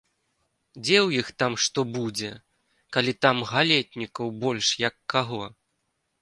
Дзе ў іх там што будзе, калі там галетнікаў больш, як каго.